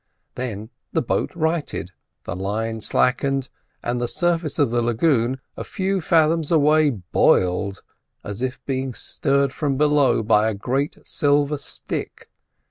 Then the boat righted; the line slackened, and the surface of the lagoon, a few fathoms away, boiled as if being stirred from below by a great silver stick.